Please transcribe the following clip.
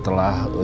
keju penebasan aku